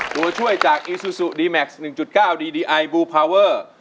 ตัวช่วยจากอีซูซูดีแม็กซ์หนึ่งจุดเก้าดีดีไอบูพาวเวอร์